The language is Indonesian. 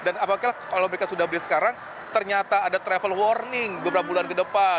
dan apakah kalau mereka sudah beli sekarang ternyata ada travel warning beberapa bulan ke depan